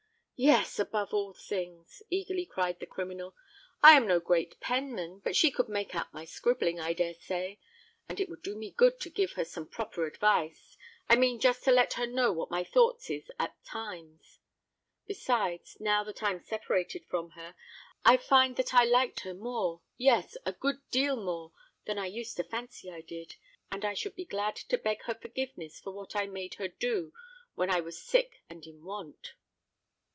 "Yes—above all things!" eagerly cried the criminal. "I am no great penman; but she could make out my scribbling, I dare say;—and it would do me good to give her some proper advice—I mean, just to let her know what my thoughts is at times. Besides, now that I'm separated from her, I find that I liked her more—yes—a good deal more than I used to fancy I did; and I should be glad to beg her forgiveness for what I made her do when I was sick and in want."